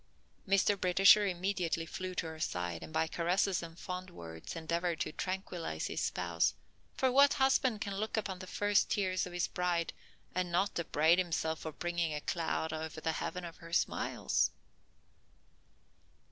Mr. Britisher immediately flew to her side, and by caresses and fond words endeavored to tranquillize his spouse, for what husband can look upon the first tears of his bride and not upbraid himself for bringing a cloud over the heaven of her smiles?